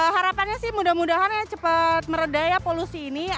harapannya sih mudah mudahan cepat meredaya polusi ini